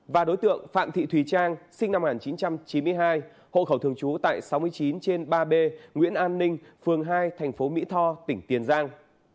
và đối tượng phạm thị thùy trang sinh năm một nghìn chín trăm chín mươi hai hộ khẩu thường trú tại sáu mươi chín trên ba b nguyễn an ninh phường hai thành phố mỹ tho tỉnh tiền giang